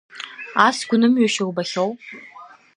Ас гәнымҩышьа убахьоу!